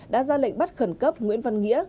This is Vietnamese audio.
đã ra lệnh bắt khẩn cấp nguyễn văn nghĩa